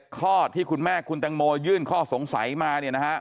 ๑๑ข้อที่คุณแม่คุณตังโมยื่นข้อสงสัยมา